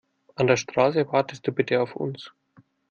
An der Straße wartest du bitte auf uns.